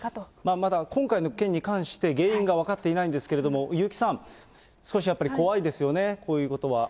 まだ今回の件に関して、原因は分かっていないんですけれども、優木さん、少しやっぱり怖いですよね、こういうことは。